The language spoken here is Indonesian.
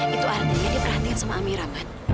itu artinya dia perhatiin sama amira ben